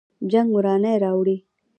جنګ ورانی راوړي